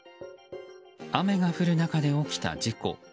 雨が降る中で起きた事故。